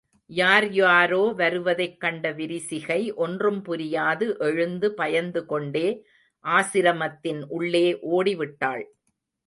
யார் யாரோ வருவதைக் கண்ட விரிசிகை ஒன்றும் புரியாது எழுந்து பயந்துகொண்டே ஆசிரமத்தின் உள்ளே ஓடிவிட்டாள்.